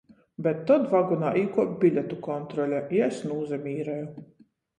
Bet tod vagonā īkuop biletu kontrole, i es nūsamīreju.